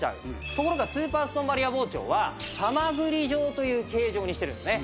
ところがスーパーストーンバリア包丁はハマグリ状という形状にしてるんですね。